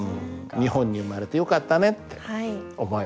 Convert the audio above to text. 日本に生まれてよかったねって思います。